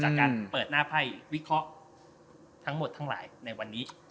การเปิดหน้าไพ่วิเคราะห์ทั้งหมดทั้งหลายในวันนี้